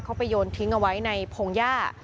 เขาไปโยนทิ้งเอาไว้ในพงหญ้า